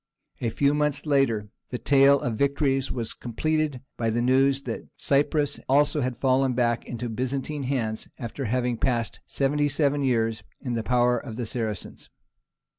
A few months later the tale of victories was completed by the news that Cyprus also had fallen back into Byzantine hands, after having passed seventy seven years in the power of the Saracens.